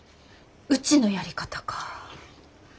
うちのやり方か。